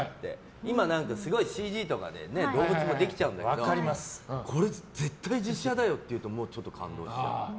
今、すごいＣＧとかで動物もできちゃうんだけどこれ絶対、実写だよっていうのは絶対感動しちゃう。